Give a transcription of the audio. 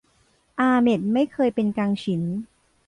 อาเหม็ดไม่เคยเป็นกังฉิน